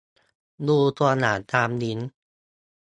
ดูตัวอย่างตามลิงก์